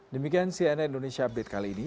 demikian cnn indonesia update kali ini